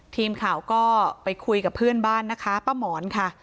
ทีมข่าวก็ไปคุยกับเพื่อนบ้านนะคะป้าหมอนค่ะ